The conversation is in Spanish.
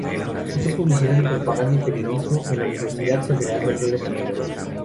Estudió Publicidad y Propaganda y Periodismo en la Universidad Federal de Río de Janeiro.